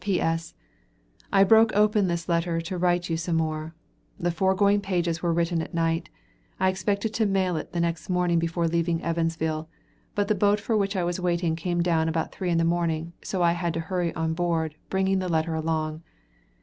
P.S. I broke open this letter to write you some more. The foregoing pages were written at night. I expected to mail it next morning before leaving Evansville; but the boat for which I was waiting came down about three in the morning; so I had to hurry on board, bringing the letter along.